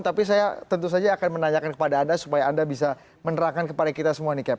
tapi saya tentu saja akan menanyakan kepada anda supaya anda bisa menerangkan kepada kita semua nih cap